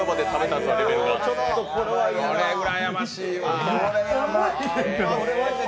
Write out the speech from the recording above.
これ、うらやましいわ。